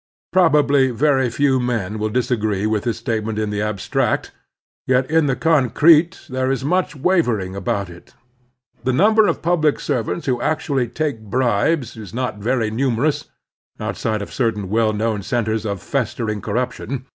Probably very few men will disagree witi this statement in the abstract, yet in the concrete there is much wavering about it. The ntunber of public servants who actually take bribes is not very numerous outside of certain well known centers of festering corruption.